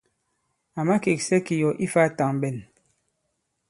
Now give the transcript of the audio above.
À makèksɛ kì yɔ̀ ifā tàŋɓɛn.